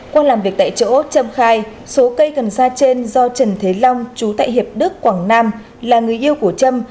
qua làm việc tại chỗ trâm khai số cây cần sa trên do trần thế long chú tại hiệp đức quảng nam là người yêu của trâm